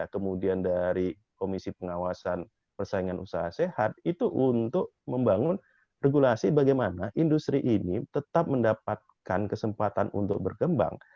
kemudian dari komisi pengawasan persaingan usaha sehat itu untuk membangun regulasi bagaimana industri ini tetap mendapatkan kesempatan untuk berkembang